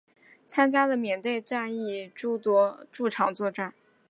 参加了缅甸战役的诸场作战。